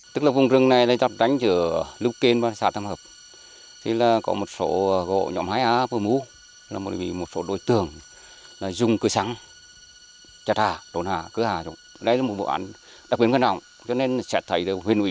theo điều tra ban đầu của công an huyện tương dương tại khu vực biên giới xã tam hập tiểu khu sáu trăm chín mươi bảy và tiểu khu sáu trăm tám mươi ba có ba mươi tám cây gỗ bị chặt